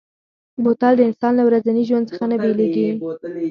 بوتل د انسان له ورځني ژوند څخه نه بېلېږي.